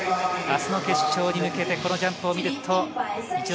明日の決勝に向けてこのジャンプを見ると。